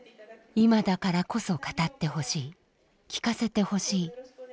「今だからこそ語ってほしいきかせてほしい」。